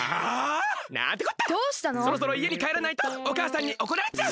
そろそろいえにかえらないとおかあさんにおこられちゃう！